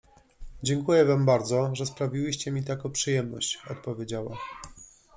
— Dziękuję wam bardzo, że sprawiłyście mi taką przyjemność! — odpowiedziała.